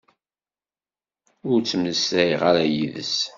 Ur ttmeslayeɣ ara yid-s.